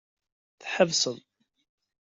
Tḥebseḍ.